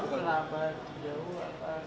kerabat jauh apa